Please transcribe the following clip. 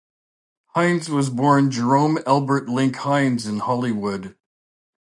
Hines was born Jerome Albert Link Heinz in Hollywood.